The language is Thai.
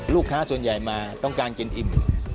ลูกค้าส่วนใหญ่มาต้องการกินอิ่ม